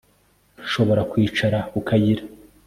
Nshobora kwicara ku kayira